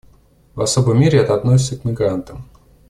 В особой мере это относится к мигрантам.